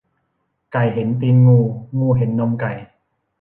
ไก่เห็นตีนงู งูเห็นนมไก่